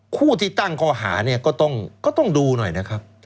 คู่ที่ตั้งข้อหาเนี่ยก็ต้องดูหน่อยนะครับ